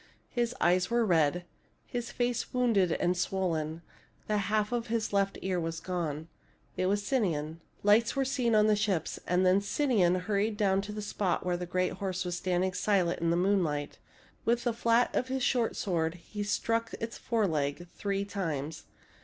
His eyes were red, his face was wounded and swollen, the half of his left ear was gone. It was Sinon. Lights were soon seen on the ships ; and then Sinon hurried down to the spot where the great horse was standing silent in the moonlight. With the fiat of his short sword, he struck its foreleg three times.